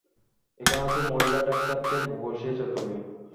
এখানে তো মহিলা ডাক্তারকে বসিয়েছ তুমি!